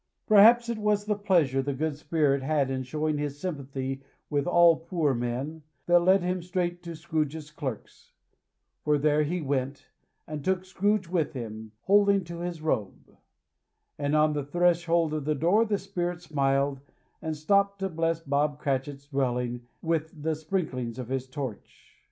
Perhaps it was the pleasure the good Spirit had in showing his sympathy with all poor men, that led him straight to Scrooge's clerk's; for there he went, and took Scrooge with him, holding to his robe; and on the threshold of the door the spirit smiled, and stopped to bless Bob Cratchit's dwelling with the sprinklings of his torch.